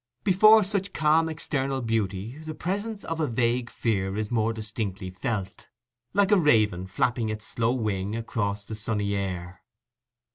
Before such calm external beauty the presence of a vague fear is more distinctly felt—like a raven flapping its slow wing across the sunny air.